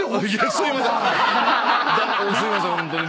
すいませんホントに。